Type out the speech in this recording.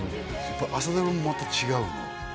やっぱ朝ドラもまた違うの？